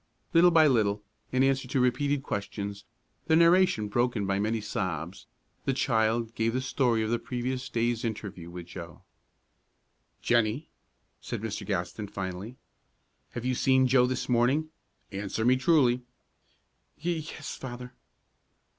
Little by little, in answer to repeated questions, the narration broken by many sobs, the child gave the story of the previous day's interview with Joe. "Jennie," said Mr. Gaston, finally, "have you seen Joe this morning? Answer me truly." "Ye yes, Father."